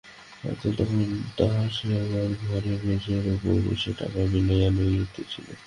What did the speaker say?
হরলাল তখন তাহার শোবার ঘরে মেজের উপর বসিয়া টাকা মিলাইয়া লইতেছিল।